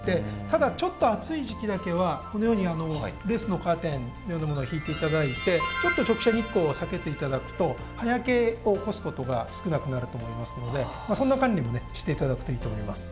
ただちょっと暑い時期だけはこのようにレースのカーテンのようなものを引いて頂いてちょっと直射日光を避けて頂くと葉焼けを起こす事が少なくなると思いますのでそんな管理もして頂くといいと思います。